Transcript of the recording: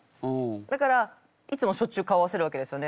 だからいつもしょっちゅう顔合わせるわけですよね。